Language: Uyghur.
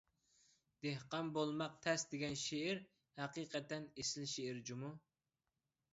«دېھقان بولماق تەس» دېگەن شېئىر ھەقىقەتەن ئېسىل شېئىر جۇمۇ.